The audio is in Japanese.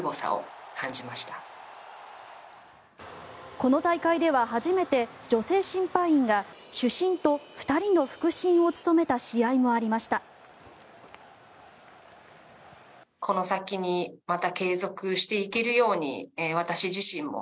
この大会では初めて女性審判員が主審と２人の副審を務めた試合もありました。